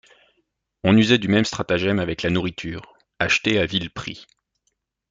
On usait du même stratagème avec la nourriture, achetée à vil prix.